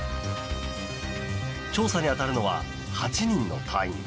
調査に当たるのは８人の隊員。